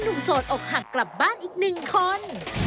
นุ่มโสดออกหักกลับบ้านอีก๑คน